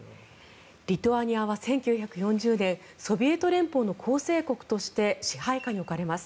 リトアニアは１９４０年ソビエト連邦の構成国として支配下に置かれます。